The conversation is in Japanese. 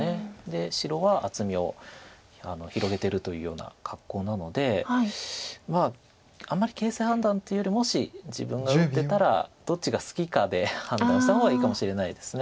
で白は厚みを広げてるというような格好なのでまああまり形勢判断というよりもし自分が打ってたらどっちが好きかで判断した方がいいかもしれないです。